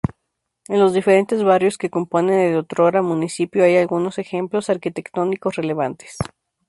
En los diferentes barrios que componen el otrora municipio hay algunos ejemplos arquitectónicos relevantes.